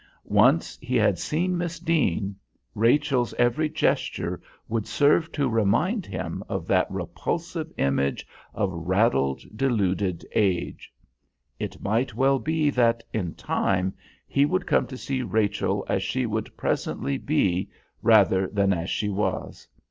Once he had seen Miss Deane, Rachel's every gesture would serve to remind him of that repulsive image of raddled, deluded age. It might well be that, in time, he would come to see Rachel as she would presently be rather than as she was.